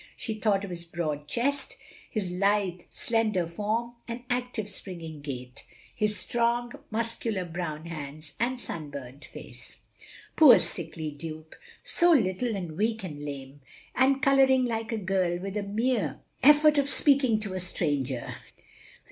She thought of his broad chest, his lithe slender form and active springing gait, his strong, mus cular brown hands, and sunburnt face. Poor sickly Duke! so little and weak and lame ; and colouring like a girl with the mere effort of speaking to a stranger.